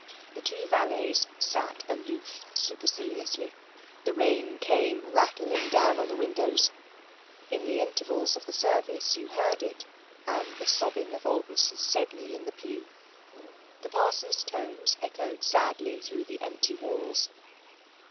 The two valets sat aloof superciliously. The rain came rattling down on the windows. In the intervals of the service you heard it, and the sobbing of old Mrs. Sedley in the pew. The parson's tones echoed sadly through the empty walls.